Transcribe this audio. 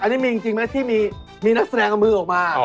อันนี้มีจริงไหมที่มีนักแสดงเอามือออกมา